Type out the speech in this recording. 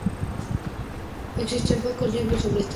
Existen pocos libros sobre esta raza